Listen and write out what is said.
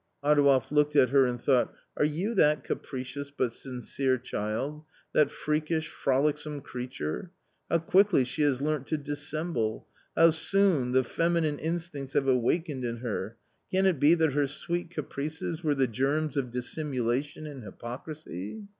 Adouev looked at her and thought il Are you that capri cious but sincere child ? that freakish, frolicsome creature ? How quickly she has learnt to dissemble ! how soon the feminine instincts have awakened in her ! Can it be that her sweet caprices were the germs of dissimulation and hypocrisy